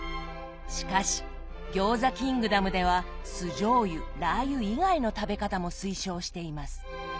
しかし餃子キングダムでは酢じょうゆラー油以外の食べ方も推奨しています。